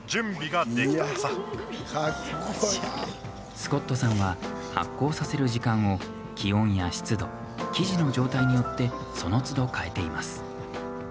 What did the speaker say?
スコットさんは発酵させる時間を気温や湿度、生地の状態によってそのつど、変えています。